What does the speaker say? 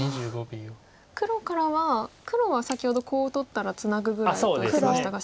黒からは黒は先ほどコウを取ったらツナぐぐらいと言ってましたが。